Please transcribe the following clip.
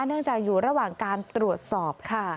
เนื่องจากอยู่ระหว่างการตรวจสอบค่ะ